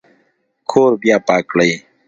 کور بیا پاک کړئ